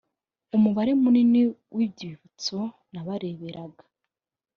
umubare munini w’ibyitso n’abareberaga